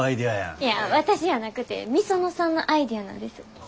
いや私やなくて御園さんのアイデアなんです。